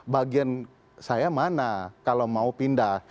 bagian saya mana kalau mau pindah